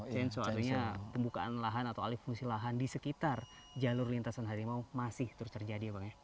artinya pembukaan lahan atau alih fungsi lahan di sekitar jalur lintasan harimau masih terus terjadi ya bang ya